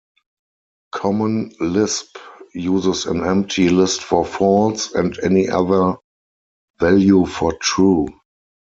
Common Lisp uses an empty list for false, and any other value for true.